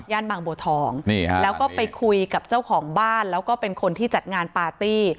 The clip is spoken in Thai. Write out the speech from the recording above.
บางบัวทองนี่ฮะแล้วก็ไปคุยกับเจ้าของบ้านแล้วก็เป็นคนที่จัดงานปาร์ตี้